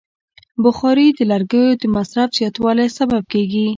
بخاري د لرګیو د مصرف زیاتوالی سبب کېږي.